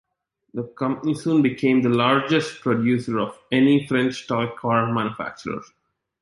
The company soon became the largest producer of any French toy car manufacturer.